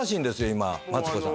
今マツコさん